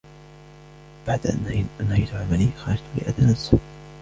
بعد أن أنهيت عملي ، خرجت لأتنزه.